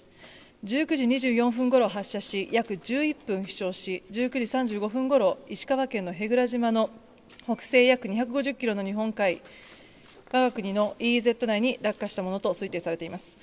１９時２４分ごろ発射し約１１分飛しょうし、１９時３５分ごろ石川県の舳倉島の北西約２５０キロの日本海、わが国のＥＥＺ内に落下したものと推定されています。